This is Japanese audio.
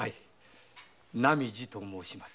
浪路と申します。